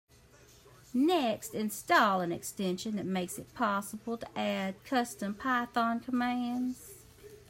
Next, install an extension that makes it possible to add custom Python commands.